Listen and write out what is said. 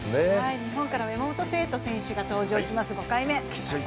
日本からも山本聖途選手が登場します、５回目。